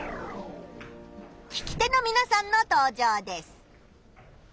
聞き手のみなさんの登場です。